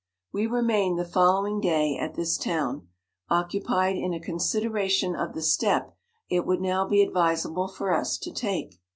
We remained the following day at this town, occupied in a consideration 45 of the step it would now be advisable for us to take.